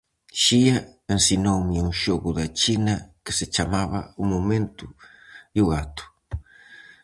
Xia ensinoume un xogo da China que se chamaba "o momento e o gato".